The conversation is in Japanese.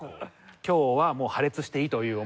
今日はもう破裂していいという思いで。